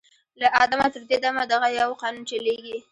« له آدمه تر دې دمه دغه یو قانون چلیږي